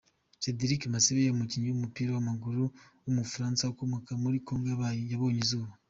Cédric Baseya, umukinnyi w’umupira w’amaguru w’umufaransa ukomoka muri Kongo yabonye izuba.